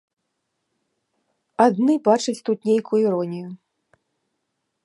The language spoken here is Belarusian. Адны бачаць тут нейкую іронію.